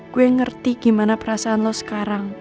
gue ngerti gimana perasaan lo sekarang